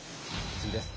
次です。